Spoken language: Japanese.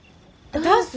ダンス？